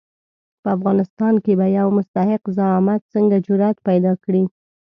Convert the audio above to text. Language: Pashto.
په افغانستان کې به یو مستحق زعامت څنګه جرآت پیدا کړي.